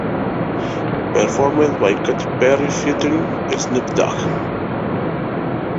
Performed by Katy Perry featuring Snoop Dogg.